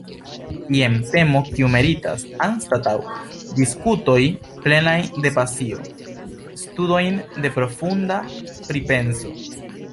Jen temo kiu meritas, anstataŭ diskutoj plenaj de pasio, studojn de profunda pripenso.